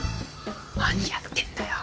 何やってんだよ！